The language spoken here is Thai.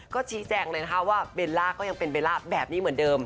ก็ชี้แจงเลยนะคะว่าเบลล่าก็ยังเป็นเบลล่าแบบนี้เหมือนเดิม